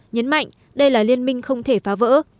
nhấn mạnh đây là liên minh không thể phá vỡ